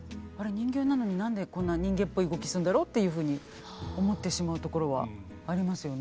人形なのに何でこんな人間っぽい動きするんだろ」っていうふうに思ってしまうところはありますよね。